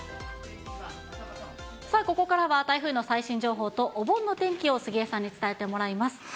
さあ、ここからは台風の最新情報と、お盆の天気を杉江さんに伝えてもらいます。